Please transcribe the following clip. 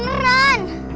ya berarti apaan tuh